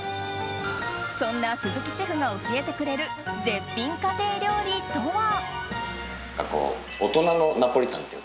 そんな鈴木シェフが教えてくれる絶品家庭料理とは？